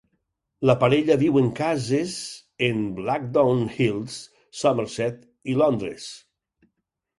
La parella viu en cases en Blackdown Hills, Somerset i Londres.